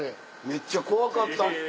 めっちゃ怖かった。